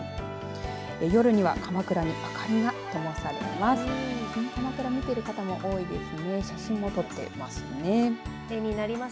夜には、かまくらに明かりがともされます。